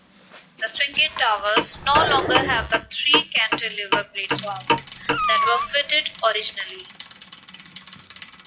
The Swingate towers no longer have the three cantilever platforms that were fitted originally.